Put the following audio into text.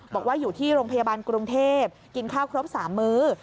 บอกว่าอยู่ที่โรงพยาบาลกรุงเทพกินข้าวครบ๓มื้อ